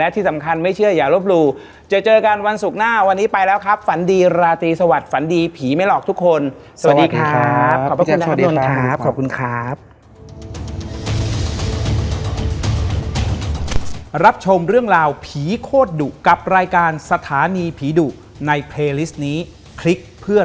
ตั๊กแก่แล้วหมาก็เห่าส่งกับตุ๊กแก่